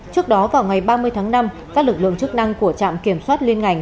trước đó vào ngày ba mươi tháng năm các lực lượng chức năng của trạm kiểm soát liên ngành